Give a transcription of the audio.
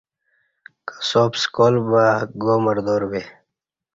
کساب سکال با گا مردار بے